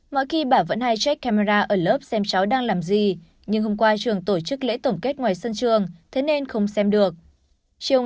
mọi khi bà vẫn hay check camera ở lớp xem cháu đang làm gì nhưng hôm qua trường tổ chức lễ tổng kết ngoài sân trường thế nên không xem được